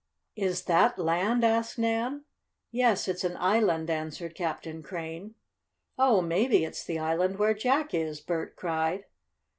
"Is that land?" asked Nan. "Yes, it's an island," answered Captain Crane. "Oh, maybe it's the island where Jack is!" Bert cried.